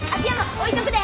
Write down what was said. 置いとくで。